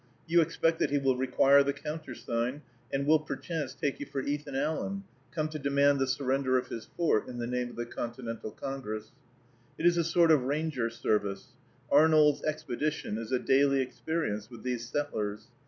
You expect that he will require the countersign, and will perchance take you for Ethan Allen, come to demand the surrender of his fort in the name of the Continental Congress. It is a sort of ranger service. Arnold's expedition is a daily experience with these settlers.